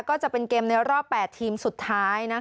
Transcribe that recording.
ก็จะเป็นเกมในรอบ๘ทีมสุดท้าย